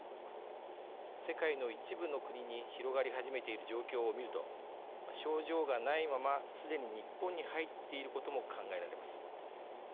世界の一部の国に広がり始めている状況をみると症状がないまますでに日本に入っていることも考えられます。